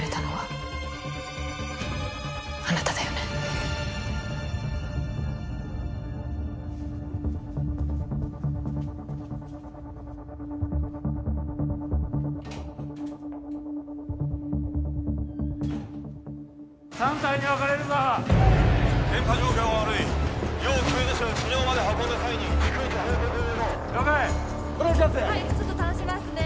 はいちょっと倒しますね